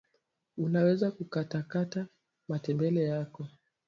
unaweza kukatakata matembele yako